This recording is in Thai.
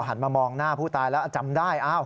หันมามองหน้าผู้ตายแล้วจำได้